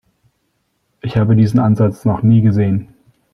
Ich habe diesen Ansatz noch nie gesehen.